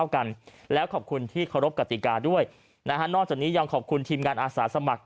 กันแล้วขอบคุณที่เคารพกติกาด้วยนะฮะนอกจากนี้ยังขอบคุณทีมงานอาสาสมัคร